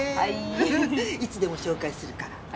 いつでも紹介するから。